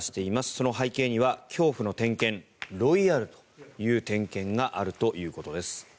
その背景には恐怖の点検ロイヤルという点検があるということです。